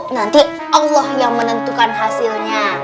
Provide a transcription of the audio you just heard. nanti allah yang menentukan hasilnya